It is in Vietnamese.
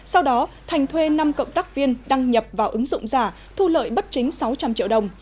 sau đó thành thuê năm cộng tác viên đăng nhập vào ứng dụng giả thu lợi bất chính sáu trăm linh triệu đồng